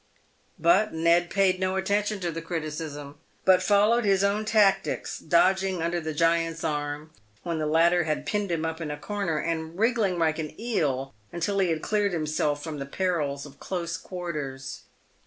But Ned paid no attention to the criticism, but followed his own tactics, dodging under the giant's arm when the latter hadjpinned him up in a corner, and wriggling like an eel until he had cleared himself from the perils of close quarters.